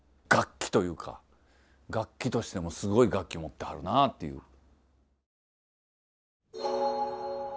楽器というか楽器としてもすごい楽器持ってはるなあっていう。